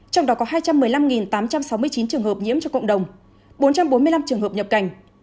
trong đó có hai trăm một mươi năm tám trăm sáu mươi chín trường hợp nhiễm cho cộng đồng bốn trăm bốn mươi năm trường hợp nhập cảnh